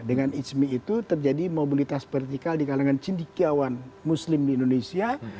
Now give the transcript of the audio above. dengan ijmi itu terjadi mobilitas vertikal di kalangan cindikiawan muslim di indonesia